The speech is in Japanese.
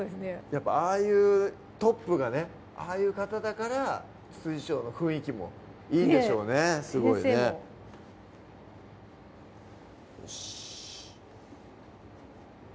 やっぱああいうトップがねああいう方だから調の雰囲気もいいんでしょうねすごいねよしっ！